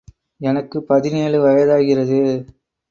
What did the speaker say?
எனக்குப் பதினேழு வயதாகிறது.